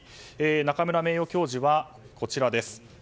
中村名誉教授はこちら。